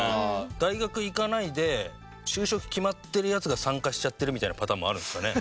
大学行かないで就職決まってるヤツが参加しちゃってるみたいなパターンもあるんですかね？